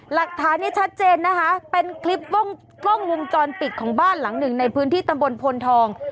หลักฐานนี้ชัดเจนนะคะเป็นคลิปกล้องวงจรปิดของบ้านหลังหนึ่งในพื้นที่ตำบลพลทอง